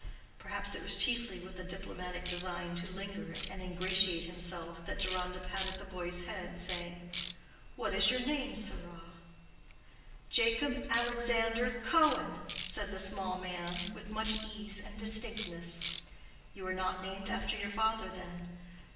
Perhaps it was chiefly with a diplomatic design to linger and ingratiate himself that Deronda patted the boy's head, saying, "What is your name, sirrah?" "Jacob Alexander Cohen," said the small man, with much ease and distinctness. "You are not named after your father, then?"